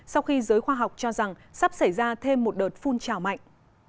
sau khi giới khoa học cho rằng sắp xảy ra thêm một đợt phun trào mạnh